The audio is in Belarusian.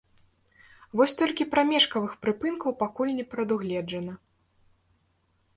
Вось толькі прамежкавых прыпынкаў пакуль не прадугледжана.